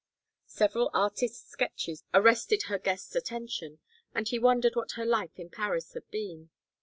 Several artist's sketches arrested her guest's attention and he wondered what her life in Paris had been.